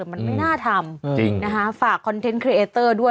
มันไม่น่าทำจริงนะคะฝากคอนเทนต์ครีเอเตอร์ด้วย